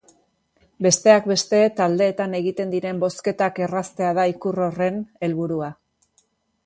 Besteak beste, taldeetan egiten diren bozketak erraztea da ikur horren helburua.